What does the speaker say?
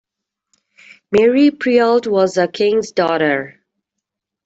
Marie Priault was a King's Daughter.